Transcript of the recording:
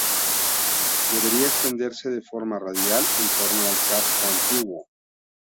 Debería extenderse de forma radial en torno al casco antiguo.